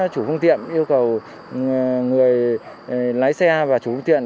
chủ phương tiện yêu cầu người lái xe và chủ phương tiện